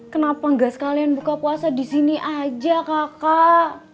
kenapa enggak sekalian buka puasa di sini aja kakak